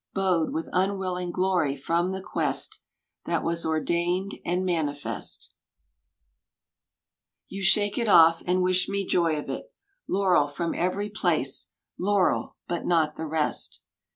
Bowed with unwilling glory from the quest That was ordained and manifest, You shake it off and wish me joy of it? Laurel from every place, Laurel, but not the rest?